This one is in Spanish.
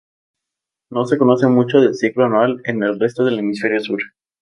No se conoce mucho del ciclo anual en el resto del hemisferio sur.